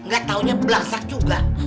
gatau belasak juga